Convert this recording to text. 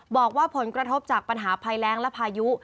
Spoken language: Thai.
บอกว่าผลกระทบจากปัญหาภัยแรงและพายุ